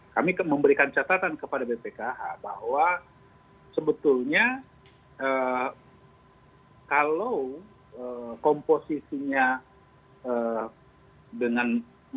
kami memberikan catatan kepada bpkh bahwa sebetulnya kalau komposisinya dengan empat puluh enam puluh